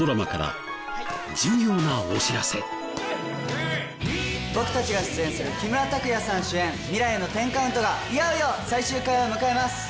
最後に僕たちが出演する木村拓哉さん主演『未来への１０カウント』がいよいよ最終回を迎えます。